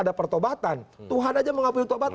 ada pertobatan tuhan saja mengambil pertobatan